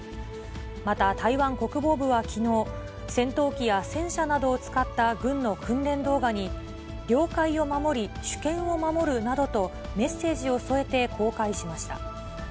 また、台湾国防部はきのう、戦闘機や戦車などを使った軍の訓練動画に、領海を守り、主権を守るなどとメッセージを添えて公開しました。